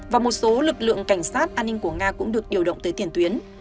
và một số lực lượng cảnh sát an ninh của nga cũng được điều động tới tiền tuyến